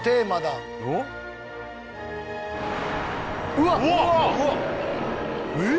うわ！えっ？